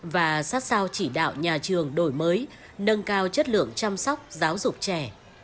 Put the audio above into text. và sát sao chỉ đạo nhà trường đổi mới nâng cao chất lượng chăm sóc giáo dục trẻ